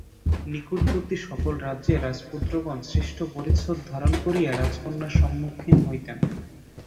নিকটবর্তী সকল রাজ্যের রাজপুত্রগণ শ্রেষ্ঠ পরিচ্ছদ ধারণ করিয়া রাজকন্যার সম্মুখীন হইতেন।